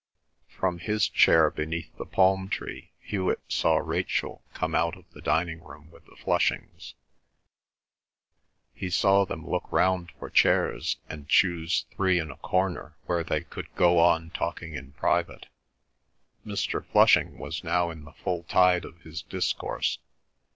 From his chair beneath the palm tree Hewet saw Rachel come out of the dining room with the Flushings; he saw them look round for chairs, and choose three in a corner where they could go on talking in private. Mr. Flushing was now in the full tide of his discourse.